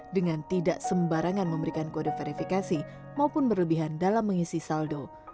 dengan tidak sembarangan memberikan kode verifikasi maupun berlebihan dalam mengisi saldo